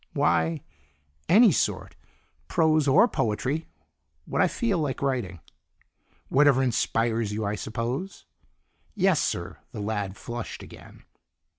"Why any sort. Prose or poetry; what I feel like writing." "Whatever inspires you, I suppose?" "Yes, sir." The lad flushed again.